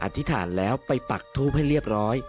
ธิษฐานแล้วไปปักทูบให้เรียบร้อย